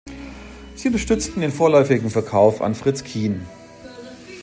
Sie unterstützen den vorläufigen Verkauf an Fritz Kiehn.